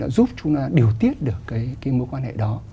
giúp chúng ta điều tiết được cái mối quan hệ đó